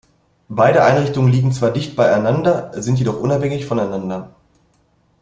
Beide Einrichtungen liegen zwar dicht beieinander, sind jedoch unabhängig voneinander.